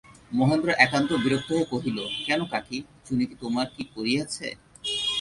মহেন্দ্র একান্ত বিরক্ত হইয়া কহিল, কেন কাকী, চুনি তোমার কী করিয়াছে।